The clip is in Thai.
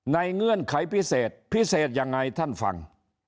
เงื่อนไขพิเศษพิเศษยังไงท่านฟัง